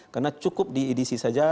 karena cukup di edisi saja